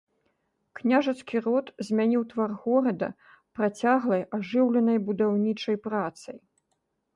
Княжацкі род змяніў твар горада працяглай ажыўленай будаўнічай працай.